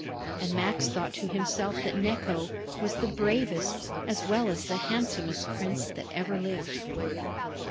And Max thought to himself that Necho was the bravest as well as the handsomest prince that ever lived.